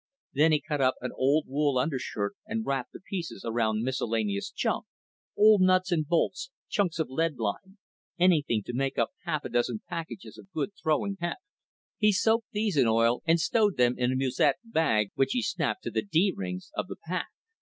Then he cut up an old wool undershirt and wrapped the pieces around miscellaneous junk old nuts and bolts, chunks of leadline, anything to make up half a dozen packages of good throwing heft. He soaked these in oil and stowed them in a musette bag which he snapped to the D rings of the pack.